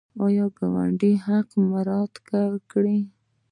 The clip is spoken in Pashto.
د ګاونډي حق مراعات کړئ